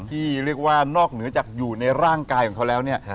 ที่เรียกว่านอกเหนือจากอยู่ในร่างกายของเขาแล้วเนี่ย